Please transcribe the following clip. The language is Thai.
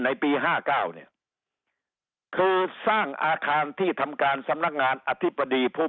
ในปี๕๙เนี่ยคือสร้างอาคารที่ทำการสำนักงานอธิบดีผู้